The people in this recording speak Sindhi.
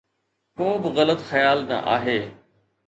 ڪو به غلط خيال نه آهي